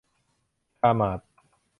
คาร์มาร์ท